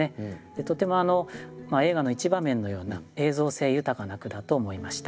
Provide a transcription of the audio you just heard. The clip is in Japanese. とても映画の一場面のような映像性豊かな句だと思いました。